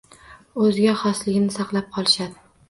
o‘ziga xosligini saqlab qolishadi.